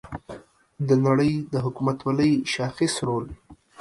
د نړۍ د حکومتولۍ شاخص رول